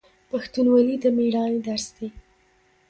پښتونولي د میړانې درس دی.